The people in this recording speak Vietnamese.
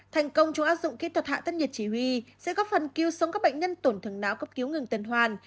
thành công trong áp dụng kỹ thuật hạ thân nhiệt chỉ huy sẽ góp phần cứu sống các bệnh nhân tổn thương não cấp cứu ngừng tần hoàn